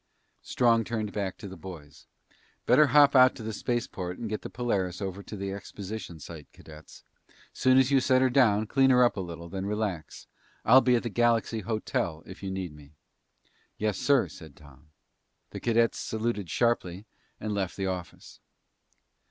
Strong turned back to the boys. "Better hop out to the spaceport and get the Polaris over the exposition site, cadets. Soon as you set her down, clean her up a little, then relax. I'll be at the Galaxy Hotel if you need me." "Yes, sir," said Tom. The cadets saluted sharply and left the office.